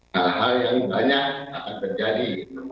hal hal yang banyak akan terjadi